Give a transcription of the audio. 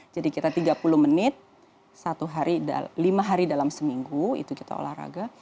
jadi kita tiga puluh menit lima hari dalam seminggu itu kita olahraga